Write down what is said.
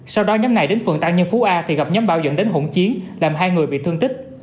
sau đó nhóm này đến phường tăng nhân phú a thì gặp nhóm bao dẫn đến hỗn chiến làm hai người bị thương tích